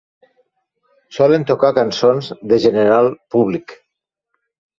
Solen tocar cançons de General Public.